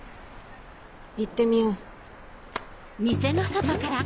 行ってみよう。